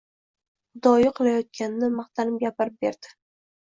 Xudoyi qilayotganini maqtanib gapirib berdi.